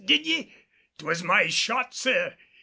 Did ye? 'Twas my shot, sir.